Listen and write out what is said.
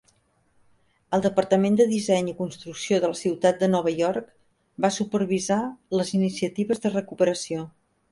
El departament de disseny i construcció de la ciutat de Nova York va supervisar les iniciatives de recuperació.